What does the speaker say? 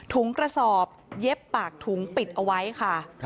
ถุงกระสอบเย็บปากถุงปิดเอาไว้ค่ะ